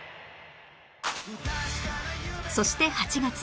そして８月